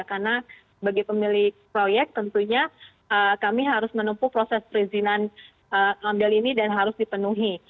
karena bagi pemilik proyek tentunya kami harus menempuh proses perizinan amdal ini dan harus dipenuhi